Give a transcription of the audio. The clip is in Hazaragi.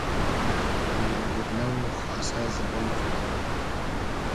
مینگیرنۂ و خاسۂ زیبۉن خو رۂ